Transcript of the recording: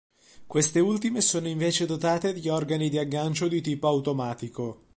Queste ultime sono invece dotate di organi di aggancio di tipo automatico.